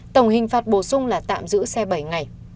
tổng hình phạt bổ sung là tạm giữ xe bảy ngày